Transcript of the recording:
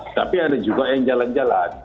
tapi ada juga yang jalan jalan